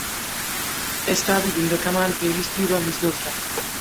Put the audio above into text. ئێستا گوندەکەمان پێویستی بە مزگەوتە.